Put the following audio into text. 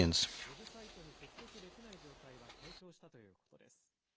ウェブサイトに接続できない状態は解消したということです。